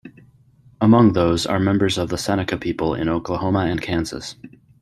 Among those are members of the Seneca people in Oklahoma and Kansas.